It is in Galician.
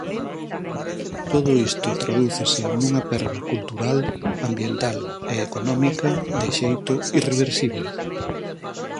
Todo isto tradúcese nunha perda cultural, ambiental e económica de xeito irreversible.